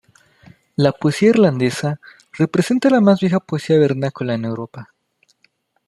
La poesía irlandesa representa la más vieja poesía vernácula en Europa.